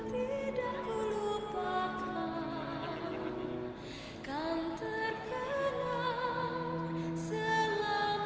kita lihat yang lainnya traumatisme